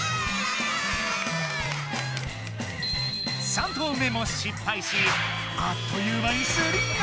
３投目も失敗しあっという間に３アウト。